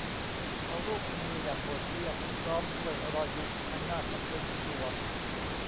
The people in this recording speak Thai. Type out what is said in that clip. เขาลูบมืออย่างโหดเหี้ยมพร้อมด้วยรอยยิ้มอันน่าสะพรึงกลัว